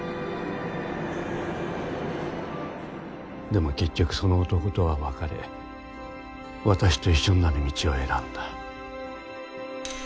でも結局その男とは別れ私と一緒になる道を選んだ。